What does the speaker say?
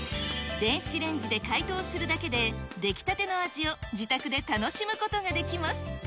電子レンジで解凍するだけで、出来たての味を自宅で楽しむことができます。